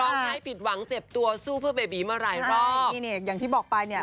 ร้องไห้ผิดหวังเจ็บตัวสู้เพื่อเบบีมาหลายรอบนี่เนี่ยอย่างที่บอกไปเนี่ย